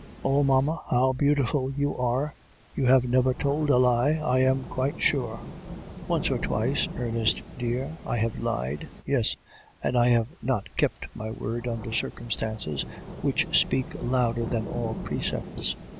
"'Oh! mamma, how beautiful you are! You have never told a lie, I am quite sure.' "'Once or twice, Ernest dear, I have lied. Yes, and I have not kept my word under circumstances which speak louder than all precepts.